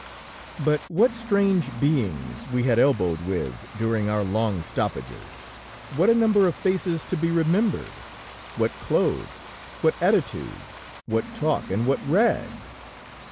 But what strange beings we had elbowed with during our long stoppages! What a number of faces to be remembered, what clothes, what attitudes, what talk and what rags!